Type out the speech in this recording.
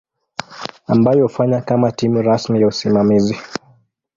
ambayo hufanya kama timu rasmi ya usimamizi.